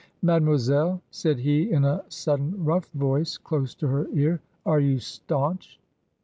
"Mademoiselle," said he, in a sudden, roug? voice close to her ear, " are you staunch